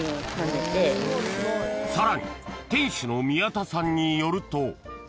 ［さらに店主の宮田さんによると］